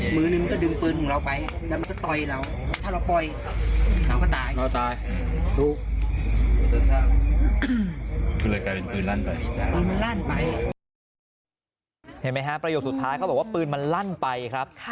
เห็นไหมครับประโยคสุดท้ายเขาบอกว่าปืนมันลั่นไปครับ